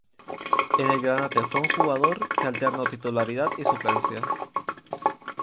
En el Granate fue un jugador que alternó titularidad y suplencia.